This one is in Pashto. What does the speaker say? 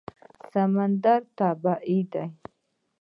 سمندر طبیعي دی.